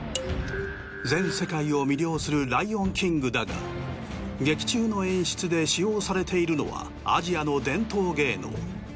全世界を魅了する『ライオンキング』だが劇中の演出で使用されているのはアジアの伝統芸能。